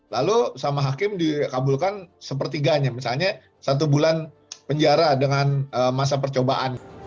lalu sama hakim dikabulkan sepertiganya misalnya satu bulan penjara dengan masa percobaan